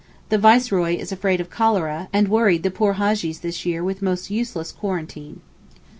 The Viceroy is afraid of cholera, and worried the poor Hajjees this year with most useless quarantine.